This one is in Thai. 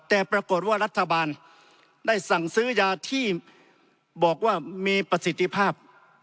แต่ปรากฏว่ารัฐบาลได้สั่งซื้อยาที่บอกว่ามีประสิทธิภาพ